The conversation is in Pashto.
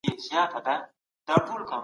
د انار ګل مشاعره کله او چيرته جوړېږي؟